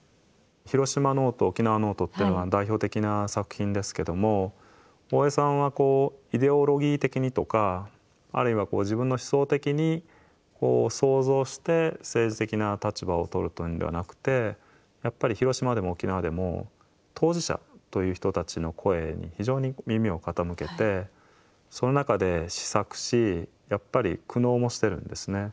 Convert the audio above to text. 「ヒロシマ・ノート」「沖縄ノート」っていうのが代表的な作品ですけども大江さんはこうイデオロギー的にとかあるいは自分の思想的に想像して政治的な立場をとるというんではなくてやっぱり広島でも沖縄でも当事者という人たちの声に非常に耳を傾けてその中で思索しやっぱり苦悩もしてるんですね。